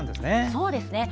そうですね。